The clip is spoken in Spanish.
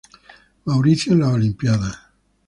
Mauricio en las Olimpíadas